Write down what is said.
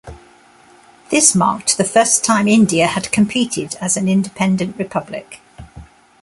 This marked the first time India had competed as an independent republic.